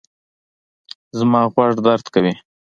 زما غوږ درد کوي